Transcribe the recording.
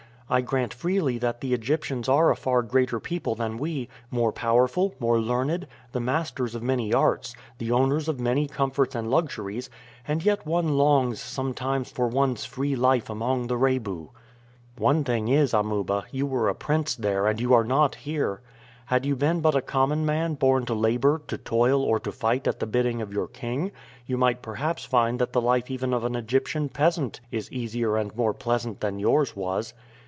I grant freely that the Egyptians are a far greater people than we, more powerful, more learned, the masters of many arts, the owners of many comforts and luxuries, and yet one longs sometimes for one's free life among the Rebu." "One thing is, Amuba, you were a prince there and you are not here. Had you been but a common man, born to labor, to toil, or to fight at the bidding of your king, you might perhaps find that the life even of an Egyptian peasant is easier and more pleasant than yours was."